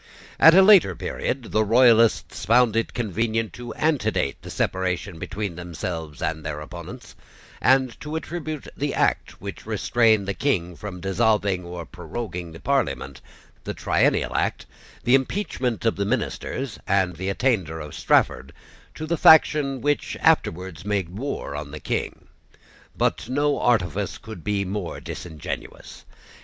At a later period the Royalists found it convenient to antedate the separation between themselves and their opponents, and to attribute the Act which restrained the King from dissolving or proroguing the Parliament, the Triennial Act, the impeachment of the ministers, and the attainder of Strafford, to the faction which afterwards made war on the King. But no artifice could be more disingenuous.